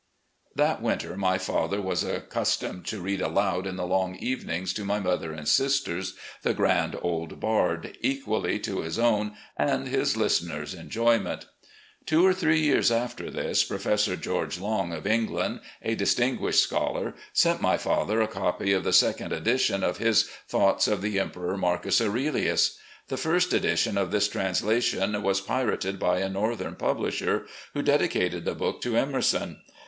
That winter, my father was accustomed to read aloud in the long evenings to my mother and sisters "The Grand Old Bard," equally to his own and his listeners' enjo5mient. Two or three years after this. Professor George Long, THE IDOL OF THE SOUTH 215 of Ei^land, a distinguished scholar, sent my father a copy of the second edition of his " Thoughts of the Emperor Marcus Aurelius." The first edition of this translation was pirated by a Northern publisher, who dedicated the book to Emerson.